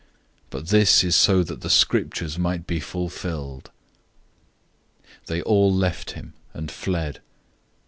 But this is so that the Scriptures might be fulfilled." 014:050 They all left him, and fled.